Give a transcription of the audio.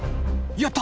やった！